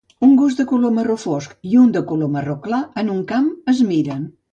Un gos de color marró fosc i un de color marró clar en un camp es miren.